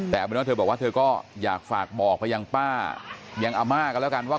แต่เอาเป็นว่าเธอบอกว่าเธอก็อยากฝากบอกไปยังป้ายังอาม่ากันแล้วกันว่า